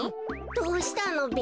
どうしたのべ。